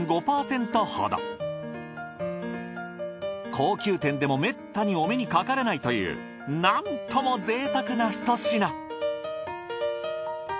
高級店でもめったにお目にかかれないというなんともぜいたくな一品。